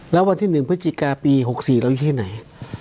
แล้ววันที่๑พฤศจิกาปี๖๔เราอยู่ที่ไหน